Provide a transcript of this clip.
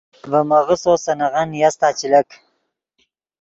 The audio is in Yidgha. ڤے میغسّو سے نغن نیاستا چے لک